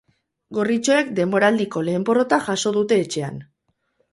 Gorritxoek denboraldiko lehen porrota jaso dute etxean.